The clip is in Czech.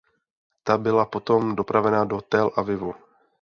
Ta byla potom dopravena do Tel Avivu.